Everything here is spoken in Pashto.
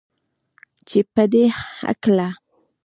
چې پدې هکله